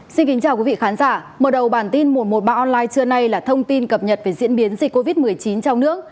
xin kính chào quý vị khán giả mở đầu bản tin một trăm một mươi ba online trưa nay là thông tin cập nhật về diễn biến dịch covid một mươi chín trong nước